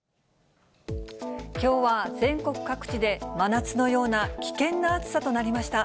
きょうは全国各地で、真夏のような危険な暑さとなりました。